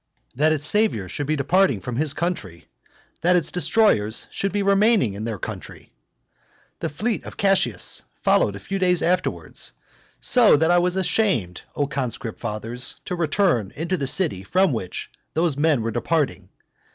That its saviour should be departing from his country, that its destroyers should be remaining in their country! The fleet of Cassius followed a few days afterwards, so that I was ashamed O conscript fathers, to return into the city from which those men were departing.